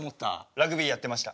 ラグビーやってました。